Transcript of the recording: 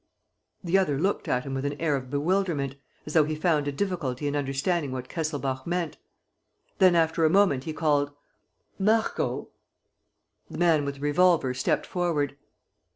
The other looked at him with an air of bewilderment, as though he found a difficulty in understanding what Kesselbach meant. Then, after a moment, he called: "Marco!" The man with the revolver stepped forward.